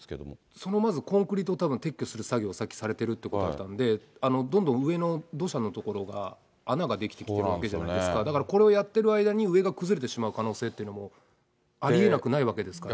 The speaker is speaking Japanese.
そのまず、コンクリートを撤去する作業をさっきされてるということだったんで、どんどん上の土砂のところが、穴が出来てくるわけじゃないですか、だからこれをやってる間に上が崩れてしまう可能性というのもありえなくないわけですから。